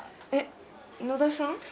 えっ野田さん？